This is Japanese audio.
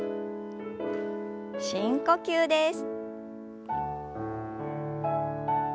深呼吸です。